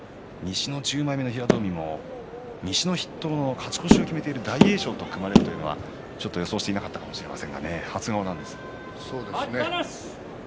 西の十枚目の平戸海西の筆頭の勝ち越しを決めている大栄翔と組まれるというのは予想していなかったかもしれません。